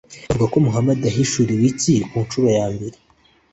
bavuga ko muhamadi yahishuriwe iki ku ncuro ya mbere?